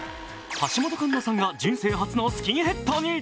橋本環奈さんが人生初のスキンヘッドに。